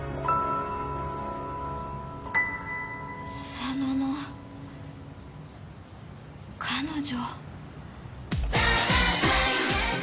佐野の彼女。